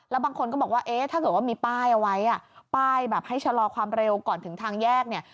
แล้วบางคนก็บอกว่าเอ๊ะถ้าเกิดว่ามีป้ายเอาไว้ป้ายแบบให้ชะลอความเร็วก่อนถึงทางแยกเนี่ย